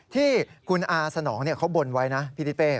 ที่คุณอาสนองเขาบนไว้นะพี่ทิเป้